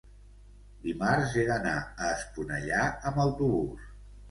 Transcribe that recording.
dimarts he d'anar a Esponellà amb autobús.